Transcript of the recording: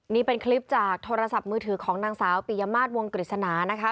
นี่เป็นคลิปจากโทรศัพท์มือถือของนางสาวปิยมาตรวงกฤษณานะคะ